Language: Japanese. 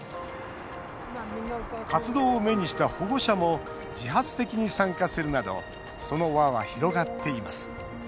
活動を目にした保護者も自発的に参加するなどその輪は広がっています。